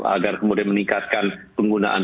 agar kemudian meningkatkan penggunaan